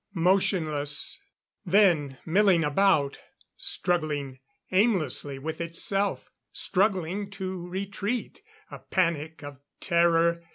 Motionless: then milling about, struggling aimlessly with itself struggling to retreat. A panic of terror.